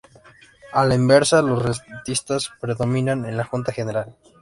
A la inversa, los rentistas predominan en la junta general.